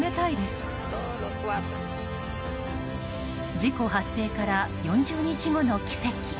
事故発生から４０日後の奇跡。